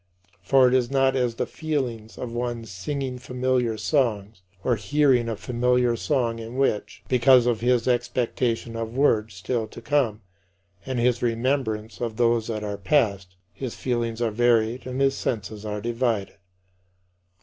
For it is not as the feelings of one singing familiar songs, or hearing a familiar song in which, because of his expectation of words still to come and his remembrance of those that are past, his feelings are varied and his senses are divided.